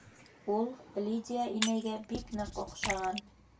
Ул Лидия инәйгә бик ныҡ оҡшаған.